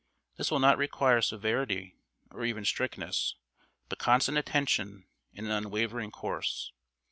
This will not require severity or even strictness, but constant attention and an unwavering course.